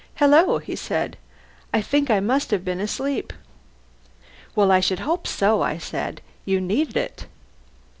"Hello!" he said. "I think I must have been asleep!" "Well, I should hope so," I said. "You needed it."